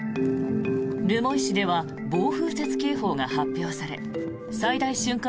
留萌市では暴風雪警報が発表され最大瞬間